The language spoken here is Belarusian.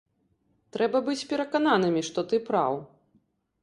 Трэба быць перакананымі, што ты праў.